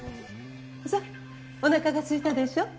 さあおなかがすいたでしょ？